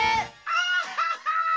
アハハハ！